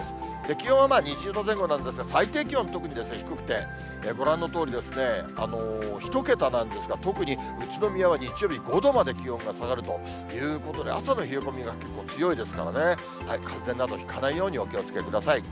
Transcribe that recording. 気温は２０度前後なんですが、最低気温、特に低くて、ご覧のとおり、１桁なんですが、特に宇都宮は日曜日、５度まで気温が下がるということで、朝の冷え込みが結構強いですからね、かぜなどひかないようにお気をつけください。